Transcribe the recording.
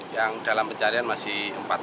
yang dalam pencarian masih empat belas